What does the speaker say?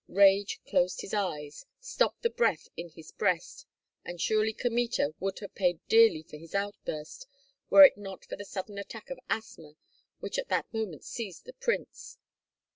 Rage closed his eyes, stopped the breath in his breast; and surely Kmita would have paid dearly for his outburst were it not for the sudden attack of asthma which at that moment seized the prince.